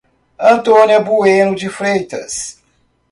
Antônia Bueno de Freitas